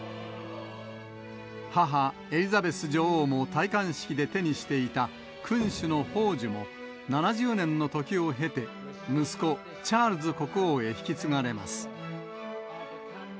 母、エリザベス女王も戴冠式で手にしていた君主の宝珠も、７０年の時を経て、息子、チャールズ国王へ引き継がれます。